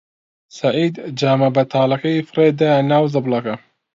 سەعید جامە بەتاڵەکەی فڕێ دا ناو زبڵدانەکە.